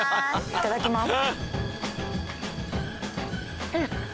いただきます。